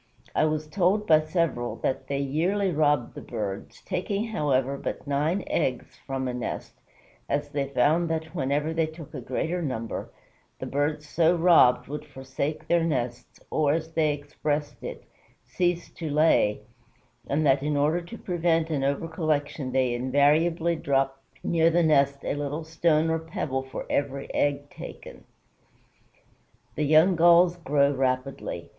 I was told by several that they yearly robbed the birds, taking, however, but nine eggs from a nest, as they found that whenever they took a greater number, the birds so robbed would forsake their nests, or, as they expressed it, cease to lay, and that in order to prevent an over collection they invariably drop near the nest a little stone or pebble for every egg taken." The young Gulls grow rapidly.